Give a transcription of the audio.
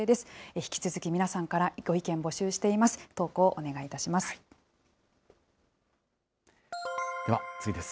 引き続き、皆さんからご意見募集しています。